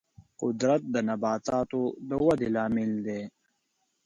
قدرت د نباتاتو د ودې لامل دی.